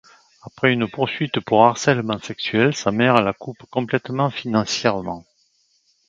Après une poursuite pour harcèlement sexuel, sa mère la coupe complètement financièrement.